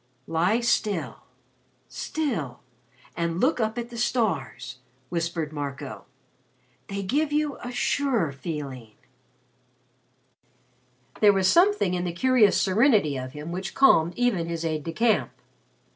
"Lie still still and look up at the stars," whispered Marco. "They give you a sure feeling." There was something in the curious serenity of him which calmed even his aide de camp.